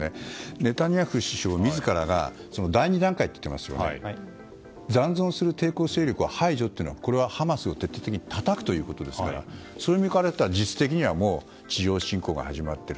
ネタニヤフ首相自らが第２段階と言っていますが残存する抵抗勢力を排除というのはハマスを徹底的にたたくということですからそう意味からいったら実質的には地上侵攻が始まっている。